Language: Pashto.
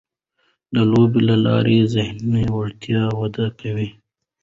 د لوبو له لارې ذهني وړتیاوې وده کوي.